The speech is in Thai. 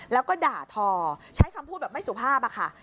แล้วก็ด่าทอใช้คำพูดแบบไม่สุภาพค่ะ